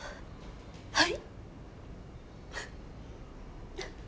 はい。